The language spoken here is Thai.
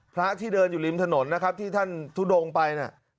พระที่เดินอยู่ริมถนนนะครับที่ท่านทุดงไป